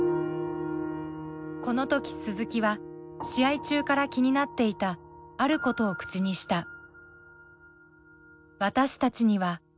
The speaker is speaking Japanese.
この時鈴木は試合中から気になっていたあることを口にした。